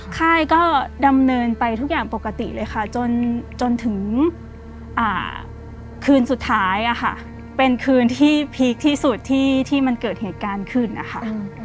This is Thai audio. ค่ายก็ดำเนินไปทุกอย่างปกติเลยค่ะจนถึงคืนสุดท้ายค่ะเป็นคืนที่พีคที่สุดที่มันเกิดเหตุการณ์ขึ้นนะคะ